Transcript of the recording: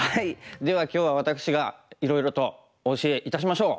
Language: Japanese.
では今日は私がいろいろとお教えいたしましょう。